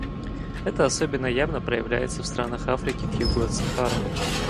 Это особенно явно проявляется в странах Африки к югу от Сахары.